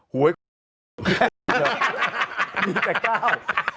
หวยแม่มีแต่ก้าว